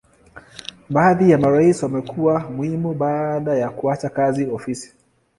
Baadhi ya marais wamekuwa muhimu baada ya kuacha kazi ofisi.